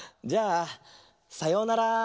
じゃあさようなら。